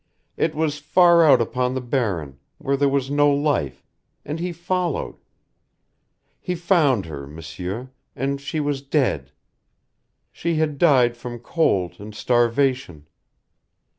It was far out upon a barren, where there was no life, and he followed. He found her, M'sieur, and she was dead. She had died from cold and starvation.